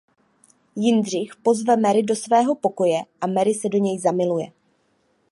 Jindřich pozve Mary do svého pokoje a Mary se do něj zamiluje.